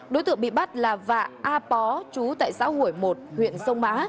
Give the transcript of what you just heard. đối tượng bị bắt là vạ a pó chú tại xã hội một huyện sông má